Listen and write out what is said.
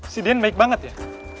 si deyan baik banget ya